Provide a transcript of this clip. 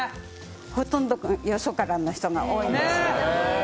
ほとんどよそからの人が多いですね。